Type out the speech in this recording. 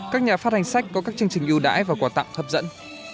các nhà phát hành sách có các chương trình ưu đãi và quả tạm hấp dẫn